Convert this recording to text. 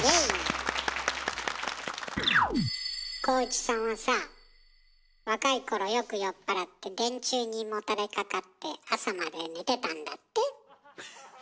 浩市さんはさぁ若い頃よく酔っ払って電柱にもたれかかって朝まで寝てたんだって？